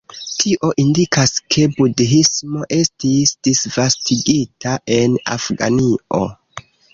Tio indikas ke Budhismo estis disvastigita en Afganio.